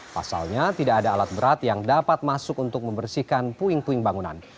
pasalnya tidak ada alat berat yang dapat masuk untuk membersihkan puing puing bangunan